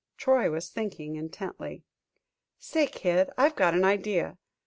Troy was thinking intently. "Say, Kid, I've got an idea.